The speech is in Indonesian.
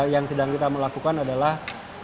yang sedang kita melakukan adalah